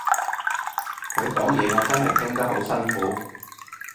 佢講嘢我真係聽得好辛苦